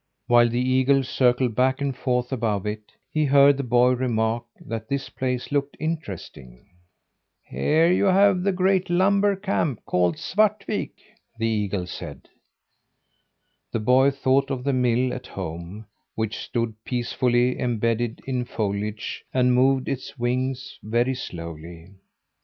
While the eagle circled back and forth above it, he heard the boy remark that this place looked interesting. "Here you have the great lumber camp called Svartvik," the eagle said. The boy thought of the mill at home, which stood peacefully embedded in foliage, and moved its wings very slowly.